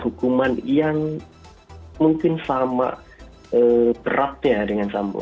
hukuman yang mungkin sama beratnya dengan sambo